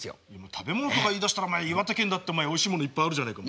食べ物とか言いだしたら岩手県だっておいしいものいっぱいあるじゃねえか。